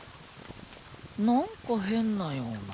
何か変なような。